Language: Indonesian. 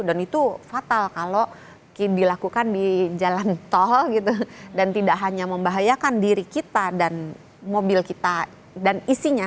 dan itu fatal kalau dilakukan di jalan tol gitu dan tidak hanya membahayakan diri kita dan mobil kita dan isinya